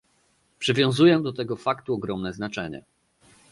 Przywiązuję do tego faktu ogromne znaczenie